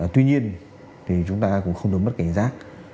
tuy nhiên thì chúng ta cũng không được mất cảnh giác